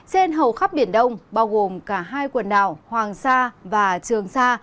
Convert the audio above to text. trên hầu khắp biển đông bao gồm cả hai quần đảo hoàng sa và trường sa